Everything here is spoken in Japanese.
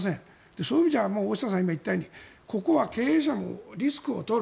そういう意味では大下さんが言ったようにここは経営者もリスクを取る。